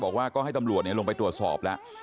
บอกว่าก็ให้ตำรวจลงไปตรวจสอบแล้ว